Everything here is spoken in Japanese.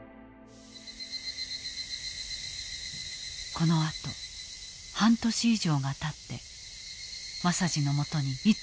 このあと半年以上がたって政次のもとに一通の手紙が届いた。